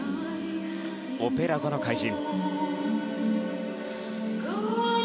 「オペラ座の怪人」。